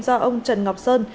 do ông trần ngọc sơn